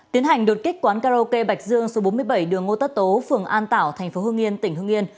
tiến hành đột kích quán karaoke bạch dương số bốn mươi bảy đường ngô tất tố phường an tảo thành phố hương yên tỉnh hương yên